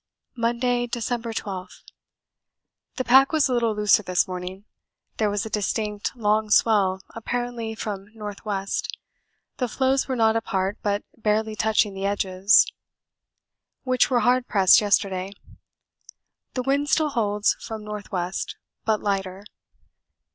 Monday, December 12. The pack was a little looser this morning; there was a distinct long swell apparently from N.W. The floes were not apart but barely touching the edges, which were hard pressed yesterday; the wind still holds from N.W., but lighter.